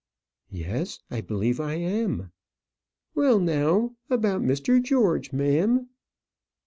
"Yes, I believe I am." "Well, now; about Mr. George, ma'am."